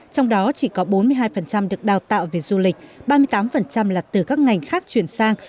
trong đó chỉ có bốn mươi hai được đào tạo về du lịch ba mươi tám là từ các ngành khác chuyển sang